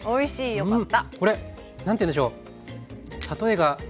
よかった。